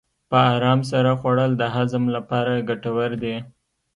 په ارام سره خوړل د هضم لپاره ګټور دي.